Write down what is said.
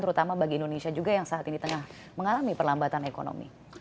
terutama bagi indonesia juga yang saat ini tengah mengalami perlambatan ekonomi